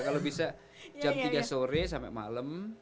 kalau bisa jam tiga sore sampai malam